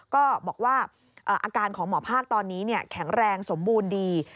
ก็บอกว่าอาการของหมอภาคตอนนี้แข็งแรงสมบูรณ์ดี